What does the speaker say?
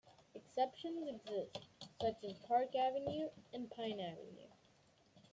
Exceptions exist, such as Park Avenue and Pine Avenue.